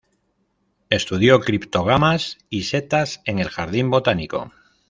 Estudió criptógamas y setas en el jardín botánico.